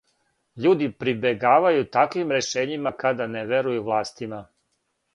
Људи прибегавају таквим решењима када не верују властима.